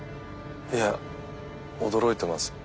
いや驚いてます。